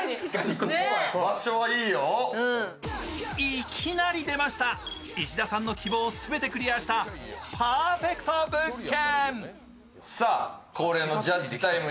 いきなり出ました、石田さんの希望を全てクリアしたパーフェクト物件。